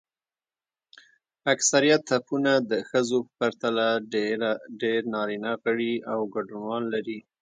اکثریت اپونه د ښځو پرتله ډېر نارینه غړي او ګډونوال لري.